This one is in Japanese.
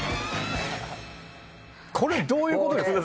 これ、どういうことですか。